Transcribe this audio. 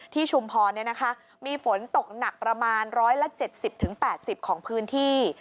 ชุมพรมีฝนตกหนักประมาณ๑๗๐๘๐ของพื้นที่